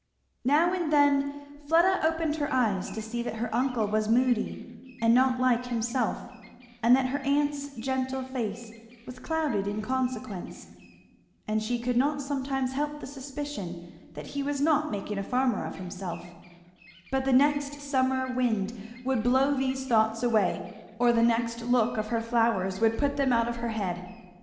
Now and then Fleda opened her eyes to see that her uncle was moody and not like himself, and that her aunt's gentle face was clouded in consequence; and she could not sometimes help the suspicion that he was not making a farmer of himself; but the next summer wind would blow these thoughts away, or the next look of her flowers would put them out of her head.